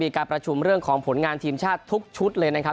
การประชุมเรื่องของผลงานทีมชาติทุกชุดเลยนะครับ